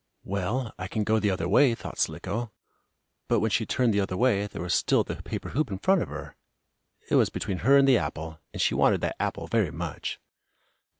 "Well, I can go the other way," thought Slicko. But, when she turned the other way, there was still the paper hoop in front of her. It was between her and the apple, and she wanted that apple very much.